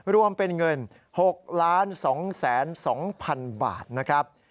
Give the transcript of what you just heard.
รวมเป็นเงิน๖๒๒๐๐๐บาทนะครับ